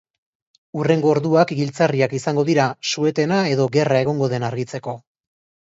Hurrengo orduak giltzarriak izango dira, su-etena edo gerra egongo den argitzeko.